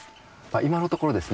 今のところですね